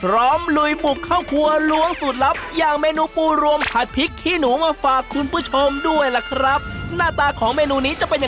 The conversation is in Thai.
รถเมล์หาเรื่องจะออกไปข้างนอกเดี๋ยวเอาไปเสิร์ฟให้